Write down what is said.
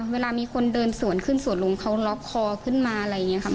เวลามีคนเดินสวนขึ้นสวนลุมเขาล็อกคอขึ้นมาอะไรอย่างนี้ค่ะ